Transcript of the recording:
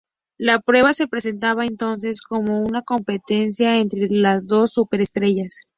La prueba se presentaba entonces como una competencia entre las dos súper estrellas.